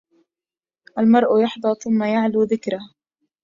المرء يحظى ثم يعلو ذكره